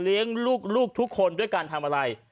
เลี้ยงลูกทุกคนด้วยการทำอะไร